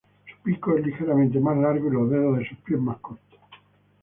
Su pico es ligeramente más largo y los dedos de sus pies más cortos.